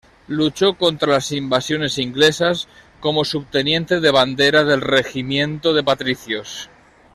Luchó contra las Invasiones Inglesas como subteniente de bandera del Regimiento de Patricios.